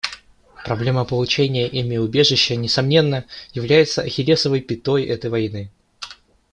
Проблема получения ими убежища, несомненно, является «ахиллесовой пятой» этой войны.